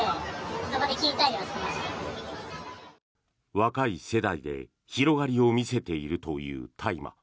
若い世代で広がりを見せているという大麻。